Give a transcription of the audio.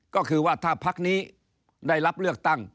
ก็คือว่าถ้าพักนี้ได้รับเลือกตั้ง